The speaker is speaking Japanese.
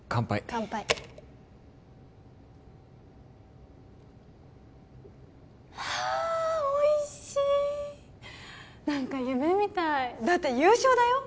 乾杯はーおいしい何か夢みたいだって優勝だよ？